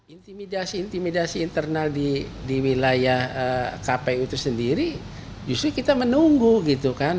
intimidasi intimidasi internal di wilayah kpu itu sendiri justru kita menunggu gitu kan